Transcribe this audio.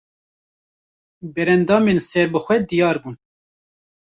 Berendamên serbixwe diyar bûn